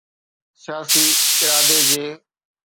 سياسي ارادي جي.